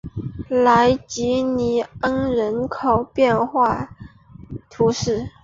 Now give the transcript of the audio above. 莱济尼昂人口变化图示